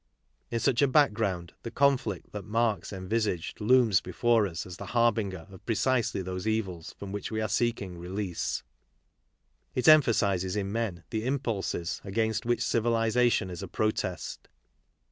In such a background, the conflict that Marx envisaged looms before us as the harbinger of precisely those evils from which we are seeking release. It emphasizes in men the impulses against which civili zation is a protest.